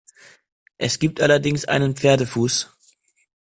Es gibt allerdings einen Pferdefuß.